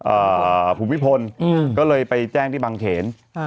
อ่าภูมิพลอืมก็เลยไปแจ้งที่บางเขนอ่า